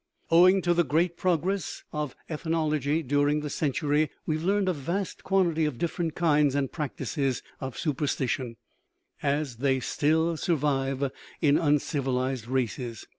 Owing to the great progress of ethnology during the century, we have learned a vast quantity of different kinds and practices of superstition, as they still sur vive in uncivilized races.